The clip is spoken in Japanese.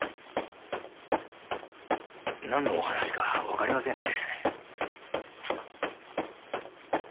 なんのお話かわかりませんね。